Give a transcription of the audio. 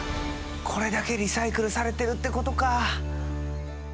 これだけリサイクルされてるってことか。